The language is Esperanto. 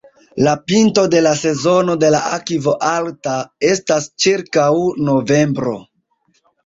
La pinto de la sezono de la akvo alta estas ĉirkaŭ novembro.